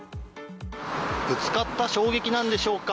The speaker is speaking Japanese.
ぶつかった衝撃なんでしょうか。